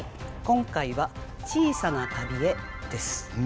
今回は「小さな旅へ」です。